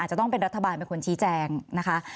อาจจะต้องเป็นรัฐบาลมันควรชี้แจงนะคะ